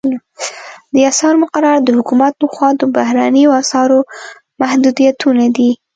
د اسعارو مقررات د حکومت لخوا د بهرنیو اسعارو محدودیتونه دي